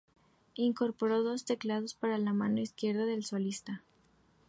Incorporó dos teclados para la mano izquierda del solista.